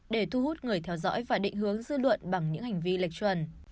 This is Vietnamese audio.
để thu hút người theo dõi và định hướng dư luận bằng những hành vi lệch chuẩn